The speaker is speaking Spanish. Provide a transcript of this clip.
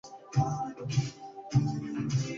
Ambas fuerzas se disparan desde los lados del río.